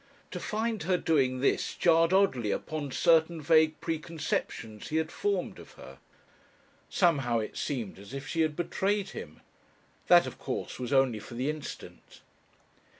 To find her doing this jarred oddly upon certain vague preconceptions he had formed of her. Somehow it seemed as if she had betrayed him. That of course was only for the instant.